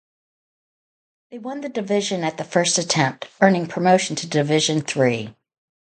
They won the division at the first attempt, earning promotion to Division Three.